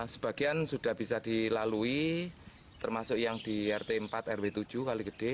sebagian sudah bisa dilalui termasuk yang di rt empat rw tujuh kali gede